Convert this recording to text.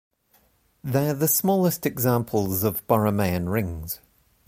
They are the smallest examples of Borromean rings.